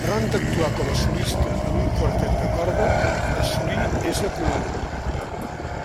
Arran d'actuar com a solista en un quartet de corda, assoli ésser conegut.